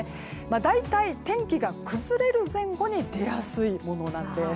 大体、天気が崩れる前後に出やすいものなんです。